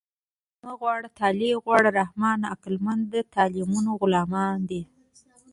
عقل مه غواړه طالع غواړه رحمانه عقلمند د طالعمندو غلامان دي